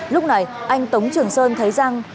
lúc này anh tống trường sơn thấy giang